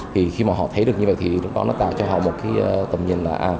thì khi mà họ thấy được như vậy thì lúc đó nó tạo cho họ một tầm nhìn là